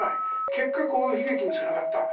結果こういう悲劇につながった。